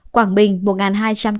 quảng bình một hai trăm tám mươi ba